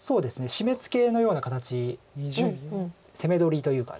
シメツケのような形攻め取りというか。